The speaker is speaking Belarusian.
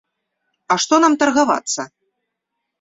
А што нам таргавацца?